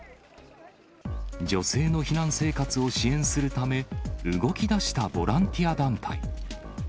女性の避難生活を支援するため、動きだしたボランティア団体。